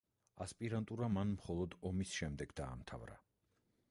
ასპირანტურა მან მხოლოდ ომის შემდეგ დაამთავრა.